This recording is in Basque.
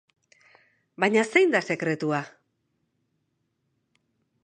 Baina zein da sekretua?